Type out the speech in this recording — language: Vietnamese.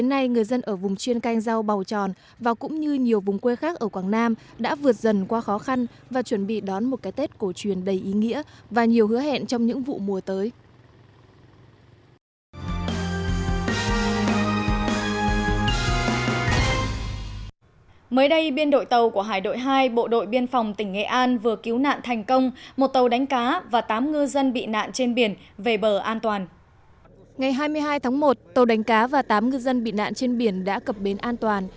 ngày hai mươi hai tháng một tàu đánh cá và tám ngư dân bị nạn trên biển đã cập bến an toàn